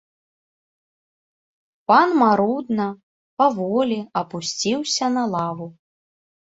Пан марудна, паволі апусціўся на лаву.